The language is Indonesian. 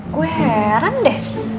gua heran deh